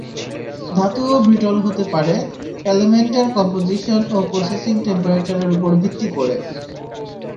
ধাতুও brittle হতে পারে, এলেমেন্টের কম্পোজিশন ও প্রসেসিং টেম্পারেচারের উপর ভিত্তি করে।